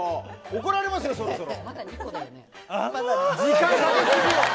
怒られますよ、そろそろ。